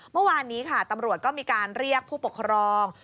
เมื่อวานนี้ค่ะตำรวจก็มีการเรียกผู้ปกครอง